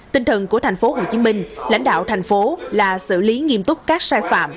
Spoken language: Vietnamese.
tinh thần của tp hcm lãnh đạo thành phố là xử lý nghiêm túc các sai phạm